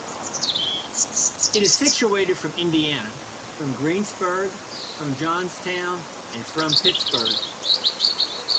It is situated from Indiana, from Greensburg, from Johnstown, and from Pittsburgh.